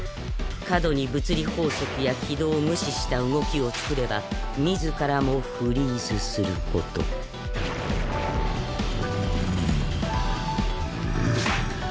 過度に物理法則や軌道を無視した動きを作れば自らもフリーズすることぬぅくっ。